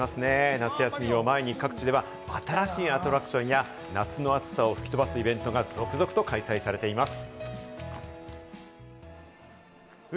夏休みを前に各地では新しいアトラクションや夏の暑さを吹き飛ばすイベントが続々と開催されています。